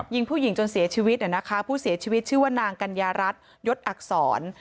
ยิงผู้หญิงจนเสียชีวิตผู้เสียชีวิตชื่อว่านางกัญญารัฐยศอักษร